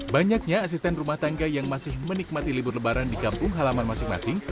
banyaknya asisten rumah tangga yang masih menikmati libur lebaran di kampung halaman masing masing